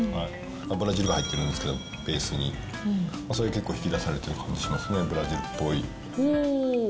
ブラジルが入っているんですけど、ベースに、それが結構、引き出されている感じしますね、ブラジルっぽい。